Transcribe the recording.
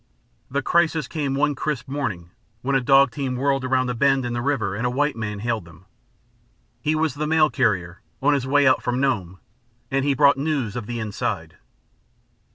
The crisis came one crisp morning when a dog team whirled around a bend in the river and a white man hailed them. He was the mail carrier, on his way out from Nome, and he brought news of the "inside."